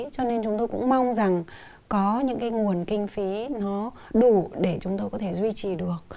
cho nên chúng tôi cũng mong rằng có những cái nguồn kinh phí nó đủ để chúng tôi có thể duy trì được